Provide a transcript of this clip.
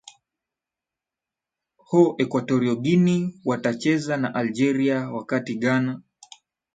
ho equatorio guinea watacheza na algeria wakati ghana